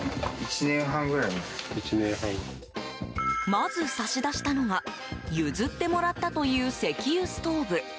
まず差し出したのが譲ってもらったという石油ストーブ。